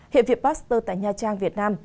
hiện việc pasteur tại nha trang việt nam